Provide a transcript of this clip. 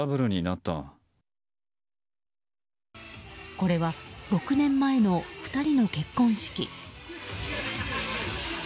これは６年前の２人の結婚式。